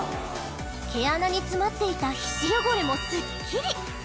毛穴に詰まっていた皮脂汚れもスッキリ！